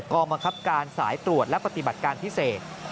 กองบังคับการสายตรวจและปฏิบัติการพิเศษ